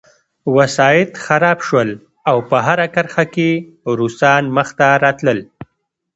وسایط خراب شول او په هره کرښه کې روسان مخته راتلل